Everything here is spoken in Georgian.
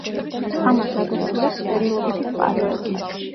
ამას ადასტურებს წერილობითი წყაროები.